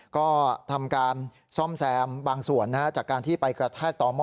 ก็ทำการซ่อมแซมบางส่วนจากการที่ไปกระแทกต่อหม้อ